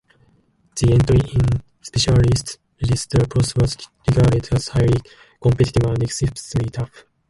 The entry into Specialist Registrar posts was regarded as highly competitive and excessively tough.